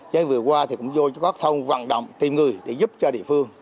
chứ vừa qua thì cũng vô cho các thông vận động tìm người để giúp cho địa phương